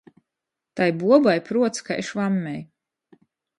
Tai buobai pruots kai švammei!